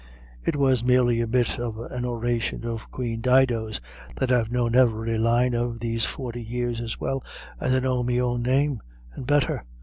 It was merely a bit of an oration of Queen Dido's that I've known ivery line of these forty years as well as I know me own name, and better.